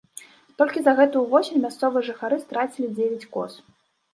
Толькі за гэтую восень мясцовыя жыхары страцілі дзевяць коз.